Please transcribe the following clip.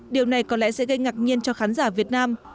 điều này có lẽ sẽ gây ngạc nhiên cho khán giả việt nam